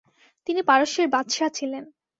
তিনি পারস্যের বাদশাহ ছিলেন।